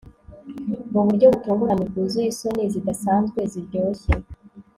Mu buryo butunguranye byuzuye isoni zidasanzwe ziryoshye